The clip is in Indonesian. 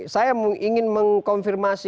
saya ingin mengkonfirmasi